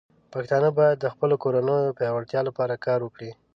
پښتانه بايد د خپلو کورنيو پياوړتیا لپاره کار وکړي.